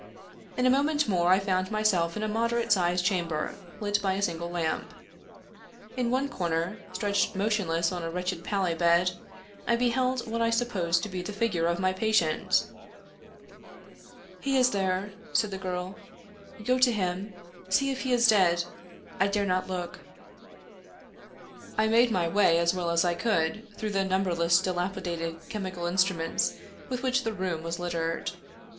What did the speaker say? In a moment more I found myself in a mod erate sized chamber, lit by a single lamp. In one comer, stretched motionless on a wretched pallet bed, I beheld what I supposed to be the figure of my patient. " He is there," said the girl ;" go to him. See if he is dead — I dare not look." I made my way as well as I could through the number less dilapidated chemical instruments with which the room was littered.